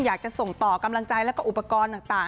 อยากจะส่งต่อกำลังใจแล้วก็อุปกรณ์ต่าง